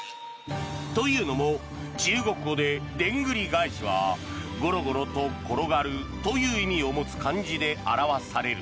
というのも中国語ででんぐり返しはゴロゴロと転がるという意味を持つ感じで表される。